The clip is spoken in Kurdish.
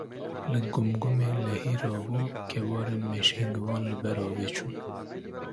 Li Gurgumê lehî rabû, kewarên mêşhingivan li ber avê çûn.